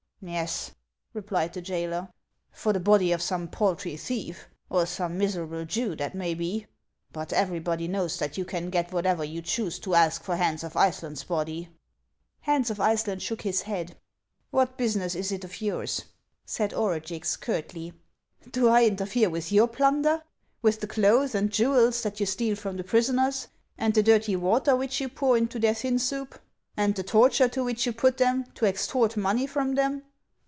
" Yes," replied the jailer, " for the body of some paltry thief, or some miserable Jew, that may be ; but everybody knows that yon can get whatever you choose to ask for Hans of Iceland's body." Hans of Iceland shook his head. " What business is it of yours ?" said Orugix, curtly ; HANS OF ICELAND. 505 " do I interfere with your plunder, — with the clothes and jewels that you steal from the prisoners, and the dirty water which you pour into their thin soup, and the torture to which you put them, to extort money from them